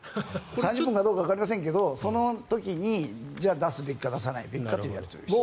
３０分かどうかわかりませんがその時に出すべきか出さないべきかというやり取りをした。